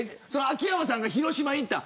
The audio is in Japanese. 秋山さんが広島に行った。